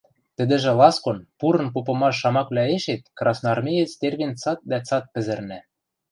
Тӹдӹжӹ ласкон, пурын попымаш шамаквлӓэшет красноармеец тервен цат дӓ цат пӹзӹрнӓ.